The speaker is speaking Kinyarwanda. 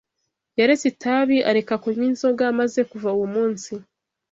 Yaretse itabi, areka kunywa inzoga, maze kuva uwo munsi